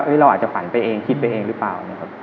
เราอาจจะฝันไปเองคิดไปเองหรือเปล่านะครับ